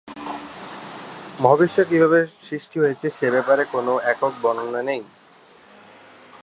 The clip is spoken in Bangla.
মহাবিশ্ব কিভাবে সৃষ্টি হয়েছে সে ব্যাপারে কোন একক বর্ণনা নেই।